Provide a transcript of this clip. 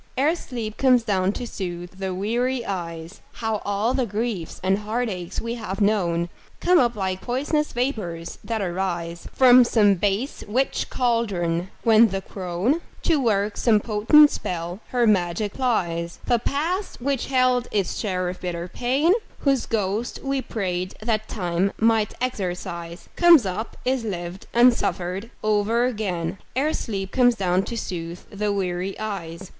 Ere sleep comes down to soothe the weary eyes, How all the griefs and heartaches we have known Come up like pois'nous vapors that arise From some base witch's caldron, when the crone, To work some potent spell, her magic plies. The past which held its share of bitter pain, Whose ghost we prayed that Time might exorcise, Comes up, is lived and suffered o'er again, Ere sleep comes down to soothe the weary eyes.